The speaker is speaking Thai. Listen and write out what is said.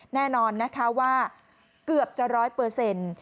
แน่นอนนะคะว่าเกือบจะร้อยเปอร์เซ็นต์